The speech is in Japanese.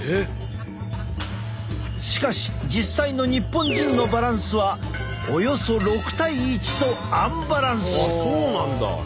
しかし実際の日本人のバランスはおよそ６対１とアンバランス。